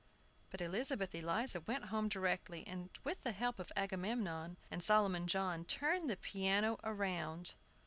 But Elizabeth Eliza went home directly, and, with the help of Agamemnon and Solomon John, turned the piano round.